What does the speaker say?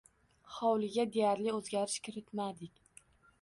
Hovliga deyarli o`zgarish kiritmadik